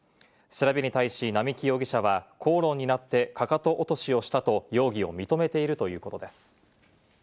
調べに対し並木容疑者は口論になってかかと落としをしたと容疑を認めているということです。